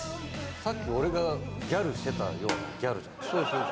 さっき俺がギャルしてたようなギャルじゃん。